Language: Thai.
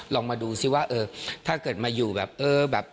ลองมาดูซิว่าเออถ้าเกิดมาอยู่แบบเออแบบ